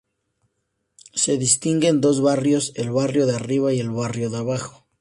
Se distinguen dos barrios, el "Barrio de Arriba" y el "Barrio de Abajo".